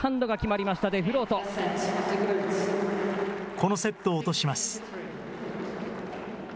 このセットを落とします。